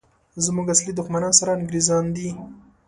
زموږ اصلي دښمنان سره انګریزان دي!